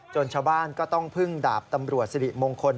ชาวบ้านก็ต้องพึ่งดาบตำรวจสิริมงคล